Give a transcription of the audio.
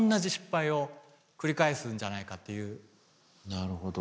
なるほど。